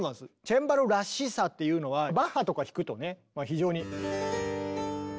チェンバロらしさっていうのはバッハとか弾くとね非常に。